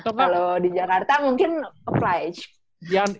atau kalau di jakarta mungkin apply aja